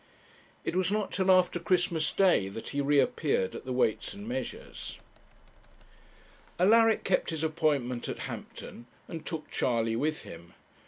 It was not till after Christmas Day that he reappeared at the Weights and Measures. Alaric kept his appointment at Hampton, and took Charley with him.